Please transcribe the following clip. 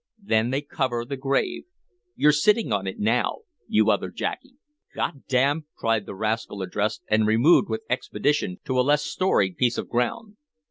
Then they cover the grave. You're sitting on it now, you other Jacky." "Godam!" cried the rascal addressed, and removed with expedition to a less storied piece of ground.